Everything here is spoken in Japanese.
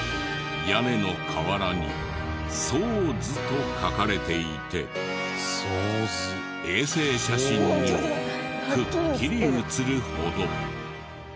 屋根の瓦に「ソーズ」と書かれていて衛星写真にもくっきり写るほど。